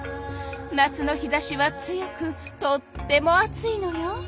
夏の日ざしは強くとっても暑いのよ。